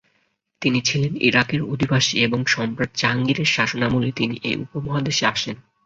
তিনি ছিলেন ইরাকের অধিবাসী এবং সম্রাট জাহাঙ্গীর এর শাসনামলে তিনি এ উপমহাদেশে আসেন।